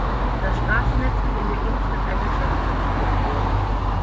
Das Straßennetz hat in der Innenstadt eine Schachbrett-Struktur.